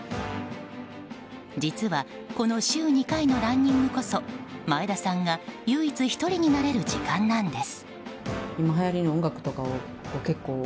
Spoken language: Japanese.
実はこの週２回のランニングこそ前田さんが唯一１人になれる時間なんです。